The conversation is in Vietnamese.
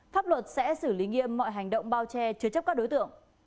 pháp luật sẽ xử lý nghiêm mọi hành động bao che chứa chấp các đối tượng